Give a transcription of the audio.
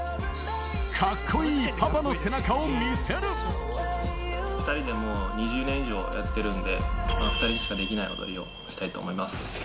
かっこいいパパの背中を見せ２人でもう２０年以上やってるんで、２人にしかできない踊りをしたいと思います。